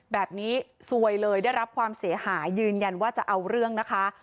แบบนี้ซวยเลยได้รับความเสียหายยืนยันว่าจะเอาเรื่องนะคะ